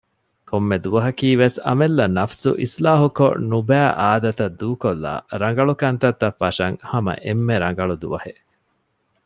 ކޮންމެ ދުވަހަކީވެސް އަމިއްލަ ނަފްސު އިސްލާހުކޮށް ނުބައި އާދަތައް ދޫކޮށްލައި ރަނގަޅުކަންތައް ފަށަން ހަމަ އެންމެ ރަނގަޅު ދުވަހެއް